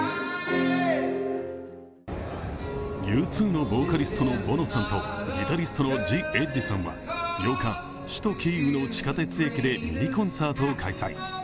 Ｕ２のボーカリストのボノさんとギタリストのジ・エッジさんは、８日、首都キーウの地下鉄駅でミニコンサートを開催。